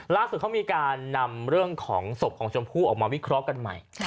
ล่าสุดเขามีการนำเรื่องของศพของชมพู่ออกมาวิเคราะห์กันใหม่